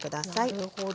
なるほど。